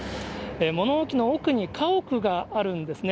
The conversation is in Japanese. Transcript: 物置の奥に家屋があるんですね。